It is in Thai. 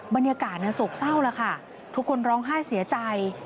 บรรยากาศโศกเศร้าแล้วค่ะทุกคนร้องไห้เสียใจ